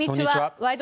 「ワイド！